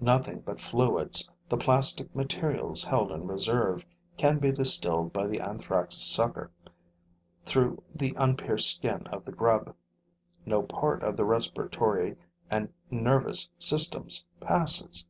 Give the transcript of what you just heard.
Nothing but fluids, the plastic materials held in reserve, can be distilled by the Anthrax' sucker through the unpierced skin of the grub; no part of the respiratory and nervous systems passes.